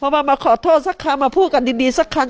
พอมามาขอโทษสักครั้งมาพูดกันดีดีสักครั้ง